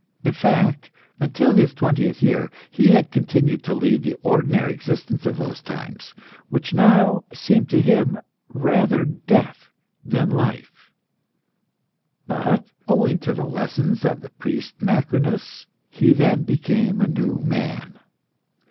In fact, until his twentieth year he had continued to lead the ordinary existence of those times, which now seemed to him rather death than life; but, owing to the lessons of the priest Macrinus, he then became a new man.